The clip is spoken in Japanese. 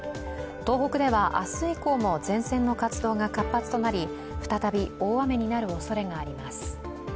東北では明日以降も前線の活動が活発となり再び大雨になるおそれがあります。